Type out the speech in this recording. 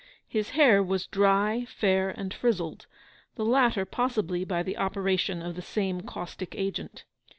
His hair was dry, fair, and frizzled, the latter possibly by the operation of the same caustic agent.